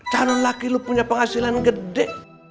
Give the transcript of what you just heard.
calon laki lu punya penghasilan gede